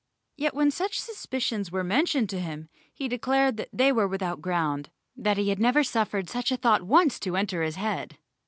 Yet when such suspicions were mentioned to him, he declared that they were without ground, that he had never suffered such a thought once to enter into his head.